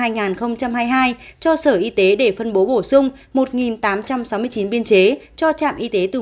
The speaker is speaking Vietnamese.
năm hai nghìn hai mươi hai cho sở y tế để phân bổ bổ sung một tám trăm sáu mươi chín biên chế